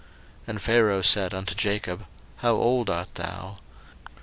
01:047:008 And Pharaoh said unto Jacob, How old art thou?